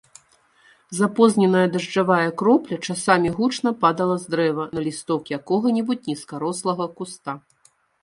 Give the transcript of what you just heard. Запозненая дажджавая кропля часамі гучна падала з дрэва на лісток якога-небудзь нізкарослага куста.